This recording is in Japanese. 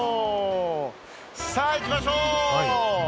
さあ行きましょう。